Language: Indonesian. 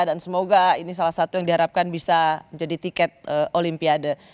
dan semoga ini salah satu yang diharapkan bisa jadi tiket olimpiade